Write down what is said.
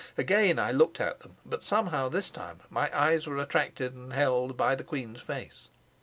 Again I looked at them, but somehow this time my eyes were attracted and held by the queen's face.